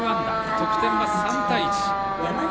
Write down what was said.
得点は３対１。